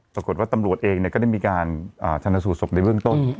ปรากฏว่าตำรวจเองก็ได้มีการชนสูตศพในเบื้องต้น